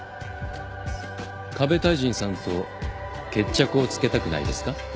ＫＡＢＥ太人さんと決着をつけたくないですか？